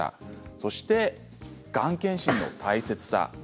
そして、がん検診の大切さ